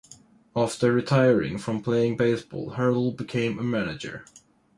After retiring from playing baseball, Hurdle became a manager.